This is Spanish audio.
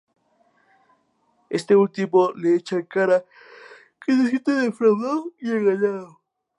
Este último le echa en cara que se siente defraudado y engañado.